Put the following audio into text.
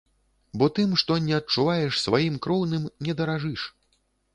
Бо тым, што не адчуваеш сваім кроўным, не даражыш.